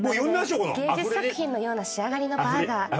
まるで芸術作品のような仕上がりのバーガー。